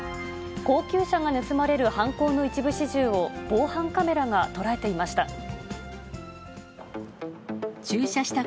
高級車が盗まれる犯行の一部始終を、防犯カメラが捉えていました。